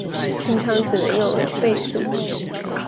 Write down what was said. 平常只能用兩倍速